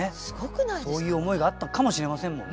そういう思いがあったかもしれませんもんね。